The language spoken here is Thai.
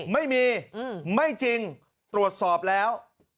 ไม่มีไม่จริงตรวจสอบแล้ว